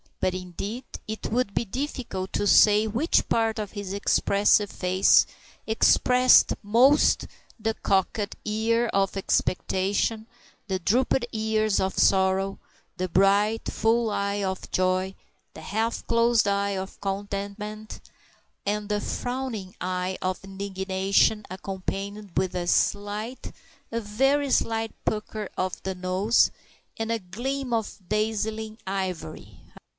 But, indeed, it would be difficult to say which part of his expressive face expressed most the cocked ears of expectation, the drooped ears of sorrow; the bright, full eye of joy, the half closed eye of contentment, and the frowning eye of indignation accompanied with a slight, a very slight pucker of the nose and a gleam of dazzling ivory ha!